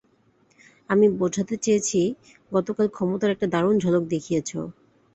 আমি বোঝাতে চেয়েছি গতকাল ক্ষমতার একটা দারুন ঝলক দেখিয়েছো।